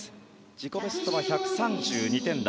自己ベストは１３２点台。